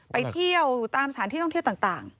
ไปเที่ยวตามสถานที่ท่องเที่ยวต่าง